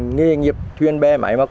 nghề nghiệp thuyền bê máy móc